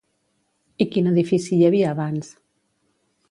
I quin edifici hi havia abans?